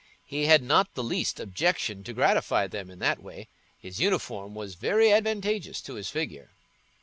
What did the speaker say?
He had not the least objection to gratify them in that way: his uniform was very advantageous to his figure.